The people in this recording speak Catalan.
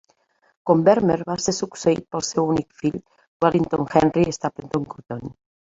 Combermere va ser succeït pel seu únic fill, Wellington Henry Stapleton-Cotton.